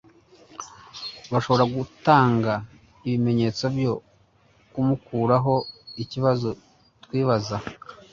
Urashobora gutanga ibimenyetso byo kumukurahoikibazo twibaza